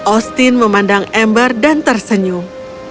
ostin memandang ember dan tersenyum